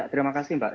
terima kasih mbak